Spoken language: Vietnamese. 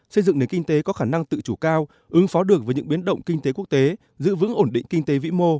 xây dựng nền kinh tế có khả năng tự chủ cao ứng phó được với những biến động kinh tế quốc tế giữ vững ổn định kinh tế vĩ mô